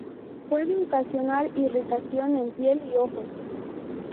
Puede ocasionar irritación en piel y ojos.